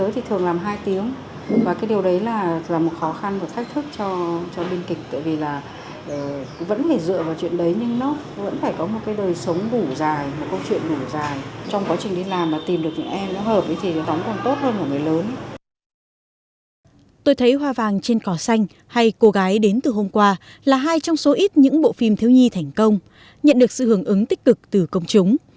tôi thấy hoa vàng trên cỏ xanh hay cô gái đến từ hôm qua là hai trong số ít những bộ phim thiếu nhi thành công nhận được sự hưởng ứng tích cực từ công chúng